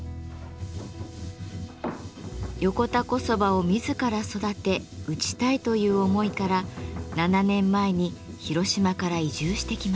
横田小そばを自ら育て打ちたいという思いから７年前に広島から移住してきました。